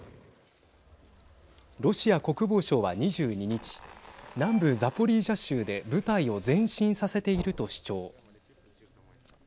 ロシア国防省は２２日南部ザポリージャ州で部隊を前進させていると主張。